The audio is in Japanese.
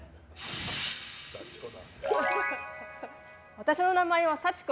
私の名前は幸子。